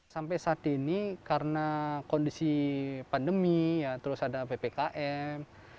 sampai saat ini karena kondisi pandemi ya terus ada ppkm